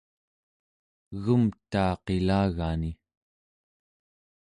egumtaa qilagani